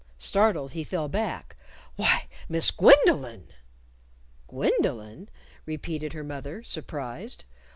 Startled, he fell back. "Why, Miss Gwendolyn!" "Gwendolyn?" repeated her mother, surprised.